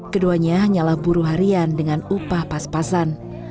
keduanya hanyalah buruh harian dengan upah pas pasan